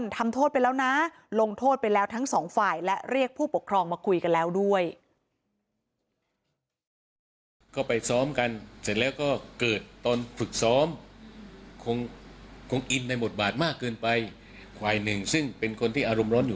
ที่เรียกผู้ปกครองมาคุยกันแล้วด้วย